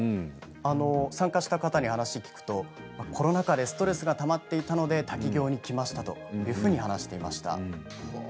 参加した方に話を聞くとコロナ禍でストレスがたまっていたので滝行に来ましたというふうに話していました。